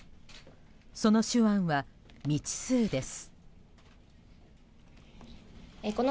その手腕は未知数です。